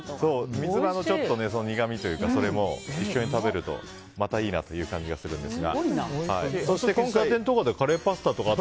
三つ葉の苦みというか一緒に食べるとまたいいなという感じがするんですが。